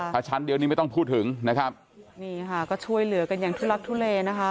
ถ้าชั้นเดียวนี้ไม่ต้องพูดถึงนะครับนี่ค่ะก็ช่วยเหลือกันอย่างทุลักทุเลนะคะ